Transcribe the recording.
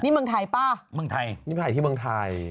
นี่เมืองไทยป่ะเมืองไทยนี่ไปถ่ายที่เมืองไทย